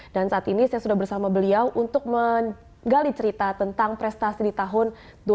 saat ini saya sudah bersama beliau untuk menggali cerita tentang prestasi di tahun dua ribu tujuh belas